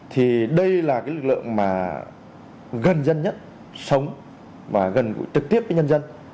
thì đây là cái lực lượng mà gần dân nhất sống và gần gũi trực tiếp với nhân dân